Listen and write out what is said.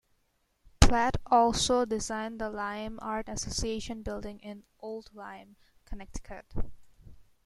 Platt also designed the Lyme Art Association building in Old Lyme, Connecticut.